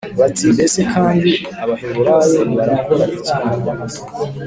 bati “mbese kandi abaheburayo barakora iki hano?”